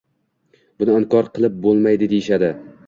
Buni inkor qilib bunday deyishadi.